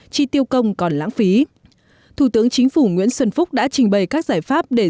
chi tiêu công còn lãng phí thủ tướng chính phủ nguyễn xuân phúc đã trình bày các giải pháp để